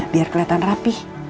biar keliatan rapih